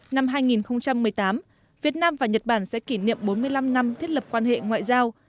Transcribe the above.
năm hai nghìn một mươi tám việt nam và nhật bản sẽ kỷ niệm bốn mươi năm năm thiết lập quan hệ ngoại giao